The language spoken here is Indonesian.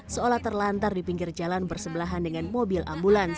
seolah terlantar di pinggir jalan bersebelahan dengan mobil ambulans